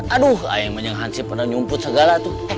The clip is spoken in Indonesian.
aduh ayo menyangkasi pendang nyumput segala tuh